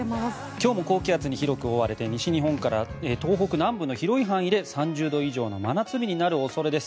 今日も高気圧に広く覆われて西日本から東北南部の広い範囲で３０度以上の真夏日になる恐れです。